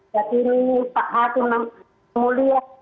jadi ini pak hatun yang semulia